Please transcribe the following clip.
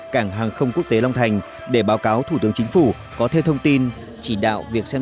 cảng hàng không quốc tế long thành để báo cáo thủ tướng chính phủ có thêm thông tin chỉ đạo việc xem